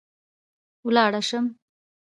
ولاړه شم